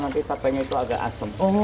nanti tapenya itu agak asem